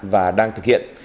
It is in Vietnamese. và đang thực hiện